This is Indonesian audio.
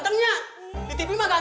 jangan jangan jangan